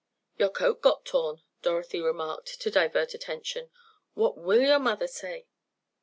"Your coat got torn," Dorothy remarked to divert attention. "What will your mother say?"